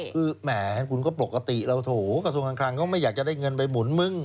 คือแหมคุณก็ปกติเราโถกระทรวงการคลังก็ไม่อยากจะได้เงินไปหมุนมึง